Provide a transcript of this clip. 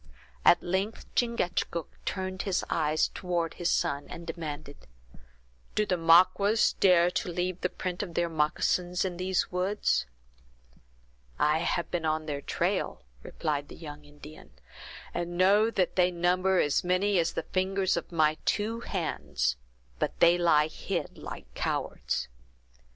At length Chingachgook turned his eyes slowly toward his son, and demanded: "Do the Maquas dare to leave the print of their moccasins in these woods?" "I have been on their trail," replied the young Indian, "and know that they number as many as the fingers of my two hands; but they lie hid like cowards."